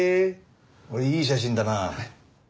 これいい写真だな。